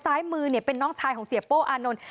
ซ้ายมือเป็นน้องชายของเสียโป้อานนท์